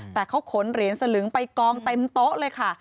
แต่เขาขนเหรียญสลึงไปกองเต็มโต๊ะเลยค่ะ